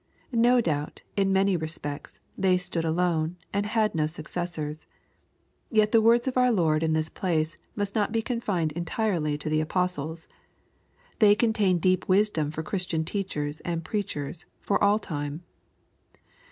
No doubt, in many respects, they stood alone, and had no successors. Yet the words of our Lord in this place must not be confined entirely to the apostles. They contain deep wisdom for Christian teachers and preachers, for all time.